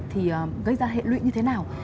thì gây ra hệ lụy như thế nào